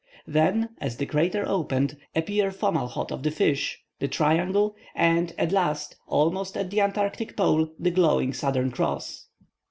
Then, as the crater opened, appeared Fomalhaut of the Fish, the Triangle, and at last, almost at the Antarctic pole, the glowing Southern Cross.